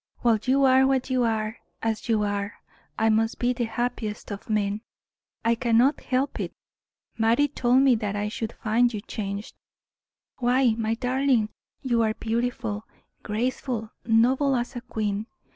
"While you are what you are, and as you are, I must be the happiest of men I cannot help it. Mattie told me that I should find you changed. Why, my darling, you are beautiful, graceful, noble as a queen.